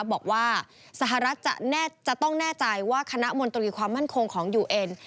บอกว่าสหรัฐจะต้องแน่ใจว่าคณะมนตรีความมั่นคงของยูเอ็น